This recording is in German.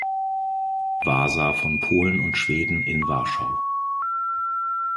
Wasa von Polen und Schweden in Warschau.